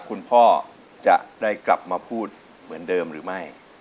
คุณพ่อจะได้กลับมาพูดเหมือนเดิมหรือไม่